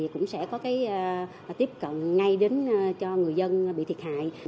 cũng sẽ có tiếp cận ngay đến cho người dân bị thiệt hại